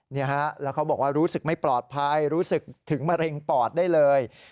นี่ฮะแล้วเขาบอกว่ารู้สึกไม่ปลอดภัยรู้สึกถึงมะเร็งปอดได้เลย